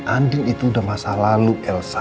andil itu udah masa lalu elsa